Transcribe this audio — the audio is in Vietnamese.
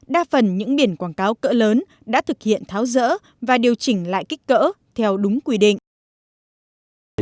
đa phần những biển quảng cáo cỡ lớn đã thực hiện tháo rỡ và điều chỉnh lại kích cỡ theo đúng quy định